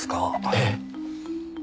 ええ。